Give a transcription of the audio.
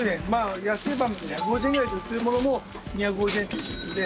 安い場合１５０円ぐらいで売っているものも２５０円っていう状況で。